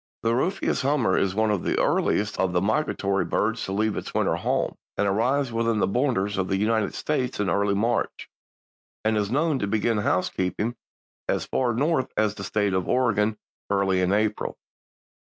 The Rufous Hummer is one of the earliest of the migratory birds to leave its winter home, and arrives within the borders of the United States early in March and is known to begin housekeeping as far North as the State of Oregon early in April.